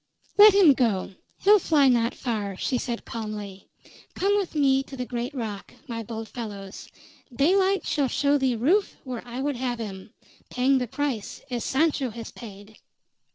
"Let him go; he'll fly not far," she said calmly. "Come with me to the great rock, my bold fellows; daylight shall show thee Rufe where I would have him paying the price, as Sancho has paid!"